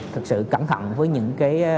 thật sự cẩn thận với những